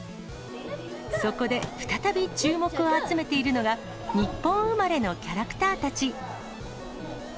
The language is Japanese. そこで再び注目を集めているのが、日本生まれのキャラクターたち。